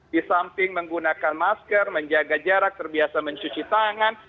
disamping menggunakan masker menjaga jarak terbiasa mencuci tangan